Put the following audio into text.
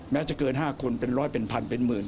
จะเกิน๕คนเป็นร้อยเป็นพันเป็นหมื่น